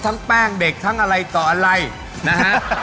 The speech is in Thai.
แป้งเด็กทั้งอะไรต่ออะไรนะฮะ